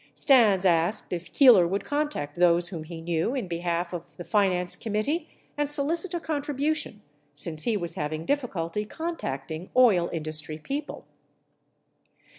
Stans asked if Keeler* would contact those whom he. knew in behalf of the finance committee and solicit a contribution since he was having difficulty contacting oil industry people.